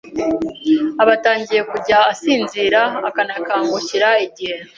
aba atangiye kujya asinzira akanakangukira igihe